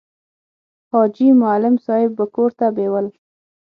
حاجي معلم صاحب به کور ته بېول.